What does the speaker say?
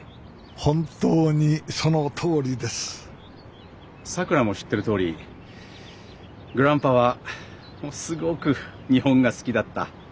本当にそのとおりですさくらも知ってるとおりグランパはすごく日本が好きだった。